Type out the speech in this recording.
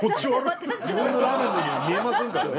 自分のラーメンのようには見えませんからね。